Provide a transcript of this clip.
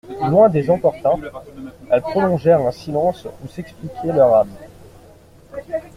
Loin des importuns, elles prolongèrent un silence où s'expliquaient leurs âmes.